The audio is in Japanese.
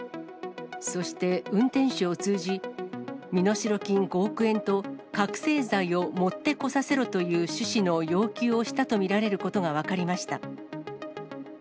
そして、運転手を通じ、身代金５億円と、覚醒剤を持ってこさせろという趣旨の要求をしたと見られることが分かりました。